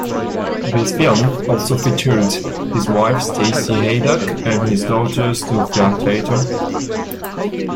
This film also featured his wife, Stacy Haiduk, and his daughter, Sophia Tatum.